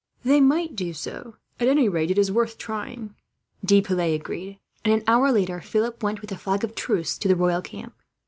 "They might do so. At any rate, it is worth trying," De Piles agreed; and an hour later Philip went, with a flag of truce, to the royal camp.